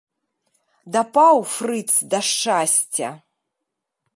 Дапаў фрыц да шчасця!